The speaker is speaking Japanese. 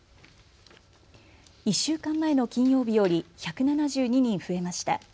１週間前の金曜日より１７２人増えました。